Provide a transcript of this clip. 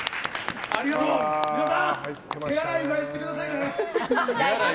皆さん手洗いうがいしてくださいね！